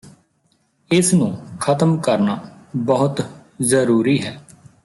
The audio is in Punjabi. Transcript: ਇਸ ਨੂੰ ਖਤਮ ਕਰਨਾ ਬਹੁਤ ਜਰੂਰੀ ਹੈ